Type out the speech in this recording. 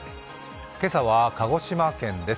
今朝は鹿児島県です。